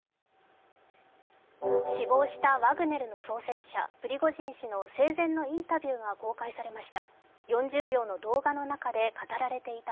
死亡したワグネルの創設者、プリゴジン氏の生前のインタビューが公開されました。